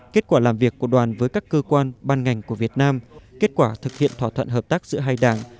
kết quả làm việc của đoàn với các cơ quan ban ngành của việt nam kết quả thực hiện thỏa thuận hợp tác giữa hai đảng